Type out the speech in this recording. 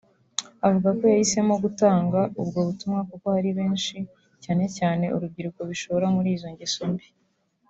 Avuga ko yahisemo gutanga ubwo butumwa kuko hari benshi cyane cyane urubyiruko bishora muri izo ngeso mbi